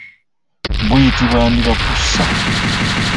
Buyitibwa ndibakkusa.